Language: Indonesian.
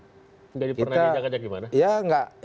jadi pernah diajak ajak gimana